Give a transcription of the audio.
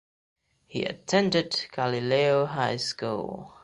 He attended Galileo High School.